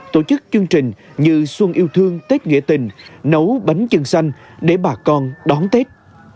tổ chức chương trình như xuân yêu thương tết nghĩa tình nấu bánh chưng xanh để bà con đón tết